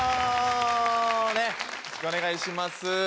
よろしくお願いします。